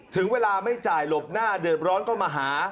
ถึงเวลาไม่จ่ายหลบหน้าเดือดร้อนก็มาหา